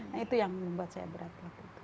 nah itu yang membuat saya berat